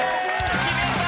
決めた！